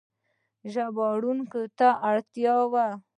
ژباړونکو ته اړتیا وه.